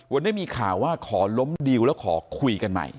วันนี้มีข่าวว่าขอล้มดิวแล้วขอคุยกันใหม่